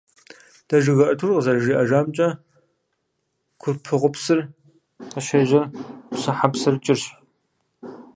Дэжыг Артур къызэрыджиӀамкӀэ, Курпыгъупсыр къыщежьэр «ПсыхьэпсырыкӀырщ».